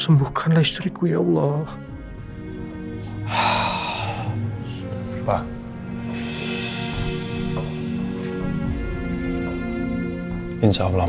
sembukkanlah istriku ya allah